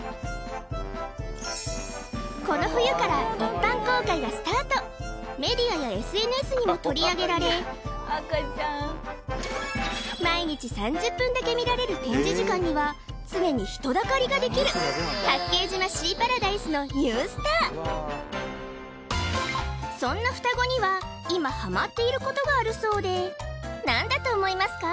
この冬から一般公開がスタートメディアやＳＮＳにも取り上げられ毎日３０分だけ見られる展示時間には常に人だかりができるそんな双子には今ハマっていることがあるそうで何だと思いますか？